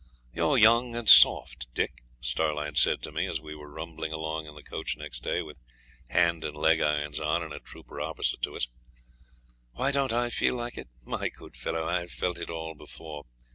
'You're young and soft, Dick,' Starlight said to me as we were rumbling along in the coach next day, with hand and leg irons on, and a trooper opposite to us. 'Why don't I feel like it? My good fellow, I have felt it all before.